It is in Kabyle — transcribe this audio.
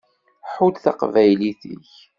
Ḥudd taqbaylit-ik.